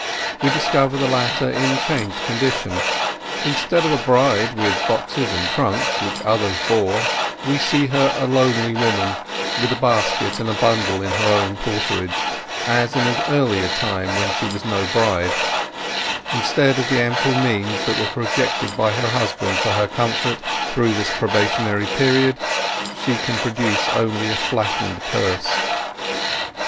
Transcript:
We discover the latter in changed conditions; instead of a bride with boxes and trunks which others bore, we see her a lonely woman with a basket and a bundle in her own porterage, as at an earlier time when she was no bride; instead of the ample means that were projected by her husband for her comfort through this probationary period, she can produce only a flattened purse.